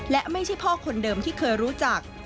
และไม่ใช่พ่อคนเดิมที่เคยรู้จัก